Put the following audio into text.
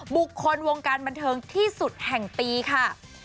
บุคคลวงการบันเทิงที่สุดแห่งปีค่ะ